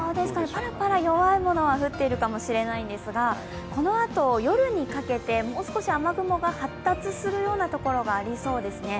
ぱらぱら弱いものは降っているかもしれないんですが、このあと夜にかけて、もう少し雨雲が発達するような所がありそうですね。